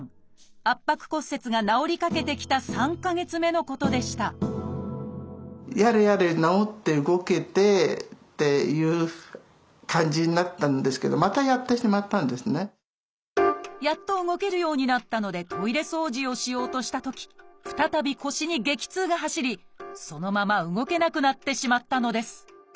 圧迫骨折が治りかけてきた３か月目のことでしたやっと動けるようになったのでトイレ掃除をしようとしたとき再び腰に激痛が走りそのまま動けなくなってしまったのです。